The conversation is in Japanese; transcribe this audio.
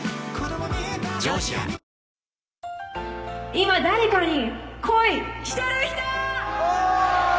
今誰かに恋してる人！